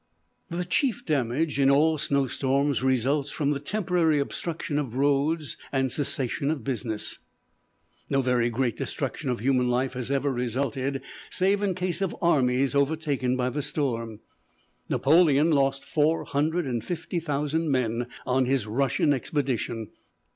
The chief damage in all snow storms results from the temporary obstruction of roads and cessation of business. No very great destruction of human life has ever resulted, save in case of armies overtaken by the storm. Napoleon lost four hundred and fifty thousand men on his Russian expedition.